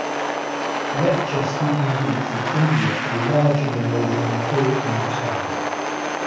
Lepcha-speaking groups in India are larger than those in Nepal and Bhutan.